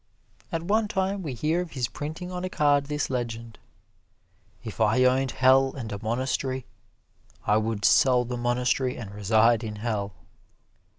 At one time we hear of his printing on a card this legend, "If I owned hell and a monastery, I would sell the monastery and reside in hell."